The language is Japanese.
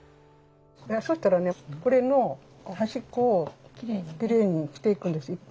そしたらねこれの端っこをキレイにしていくんです１本ずつ。